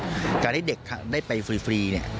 การที่เด็กได้ไปฟรีเนี่ย